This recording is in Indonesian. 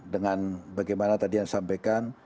dengan bagaimana tadi yang disampaikan